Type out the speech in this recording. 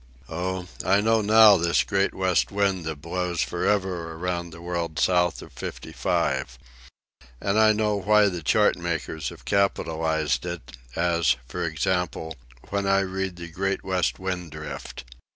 Oh, I know now this Great West Wind that blows forever around the world south of 55. And I know why the chart makers have capitalized it, as, for instance, when I read "The Great West Wind Drift."